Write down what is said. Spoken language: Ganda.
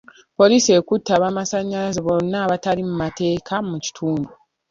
Poliisi ekutte ab'amasannyalaze bonna abatali mu mateeka mu kitundu.